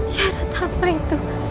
syarat apa itu